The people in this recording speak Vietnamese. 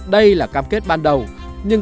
đây là cam kết ban đầu